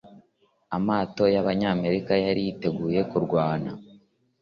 Amato y'Abanyamerika yari yiteguye kurwana